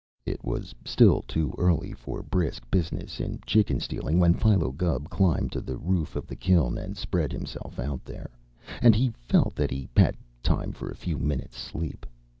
It was still too early for brisk business in chicken stealing when Philo Gubb climbed to the roof of the kiln and spread himself out there, and he felt that he had time for a few minutes' sleep.